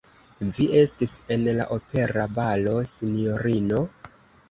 Vi estis en la opera balo, sinjorino?